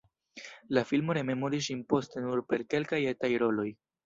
La filmo rememoris ŝin poste nur per kelkaj etaj roloj.